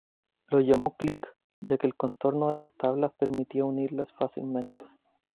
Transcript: Lo llamó Click, ya que el contorno de las tablas permitía unirlas fácilmente.